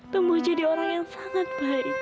tembuh jadi orang yang sangat baik